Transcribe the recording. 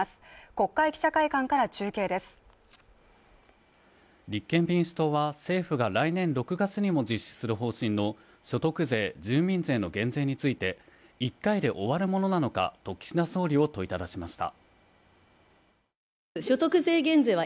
国会記者会館から中継です立憲民主党は政府が来年６月にも実施する方針の所得税・住民税の減税について１回で終わるものなのかと岸田総理を問いただしました